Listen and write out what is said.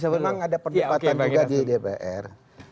memang ada perdebatan juga di dpr